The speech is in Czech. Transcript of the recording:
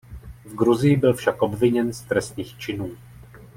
V Gruzii byl však obviněn z trestných činů.